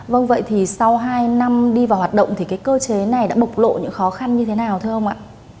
vâng vậy thì sau hai năm đi vào hoạt động thì cái cơ chế này đã bộc lộ những khó khăn như thế nào thưa ông ạ